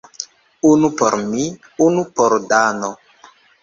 Unu por mi, unu por Dano.